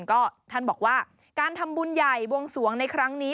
ก็ท่านบอกว่าการทำบุญใหญ่บวงสวงในครั้งนี้